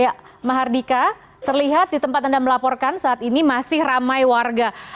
ya mahardika terlihat di tempat anda melaporkan saat ini masih ramai warga